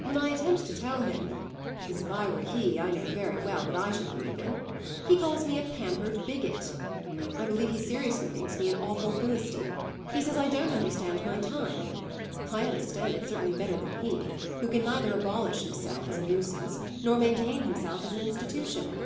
When I attempt to tell him (because if I were he I know very well what I should believe in) he calls me a pampered bigot. I believe he seriously thinks me an awful Philistine; he says I don't understand my time. I understand it certainly better than he, who can neither abolish himself as a nuisance nor maintain himself as an institution."